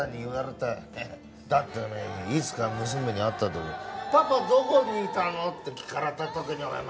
だっておめえいつか娘に会った時に「パパどこにいたの？」って聞かれた時にお前